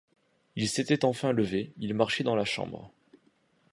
Il s'était enfin levé, il marchait dans la chambre.